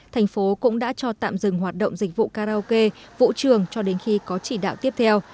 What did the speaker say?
thành phố cũng đã cho tạm dừng hoạt động dịch vụ karaoke vũ trường cho đến khi có chỉ đạo tiếp theo